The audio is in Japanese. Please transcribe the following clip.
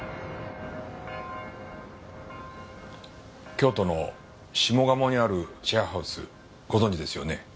京都の下鴨にあるシェアハウスご存じですよね？